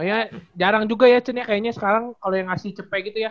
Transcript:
oh ya jarang juga ya cun ya kayaknya sekarang kalo yang ngasih cpe gitu ya